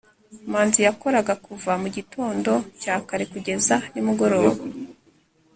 manzi yakoraga kuva mu gitondo cya kare kugeza nimugoroba